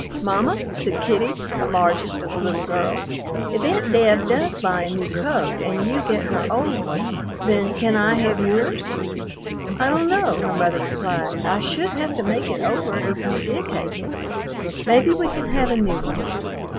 "Mamma," said Kittie, the largest of the little girls, "if Aunt Deb does buy a new coat and you get her old one, then can I have yours?" "I don't know," her mother replied; "I should have to make it over if you did take it. Maybe we can have a new one."